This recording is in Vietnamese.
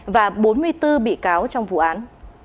và bốn mươi bốn bị cáo trong vụ án